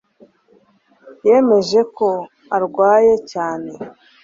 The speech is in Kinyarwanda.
Yemeje ko arwaye cyane